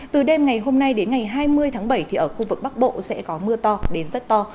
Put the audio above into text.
từ đêm ngày hôm nay đến ngày hai mươi tháng bảy thì ở khu vực bắc bộ sẽ có mưa to đến rất to